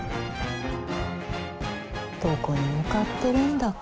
どこに向かってるんだか。